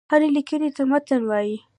هري ليکني ته متن وايي.